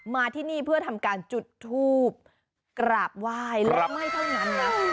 มาที่นี่เพื่อทำการจุดทูบกราบไหว้และไม่เท่านั้นนะ